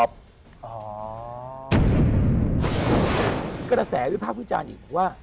ก็จะแสวิภาพพิจารณ์อีกว่า